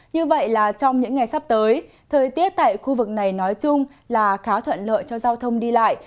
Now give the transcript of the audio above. những ngày sắp tới thời tiết tại khu vực này nói chung là khá thuận lợi cho giao thông đi lại